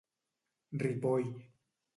Ripoll.